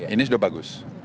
ini sudah bagus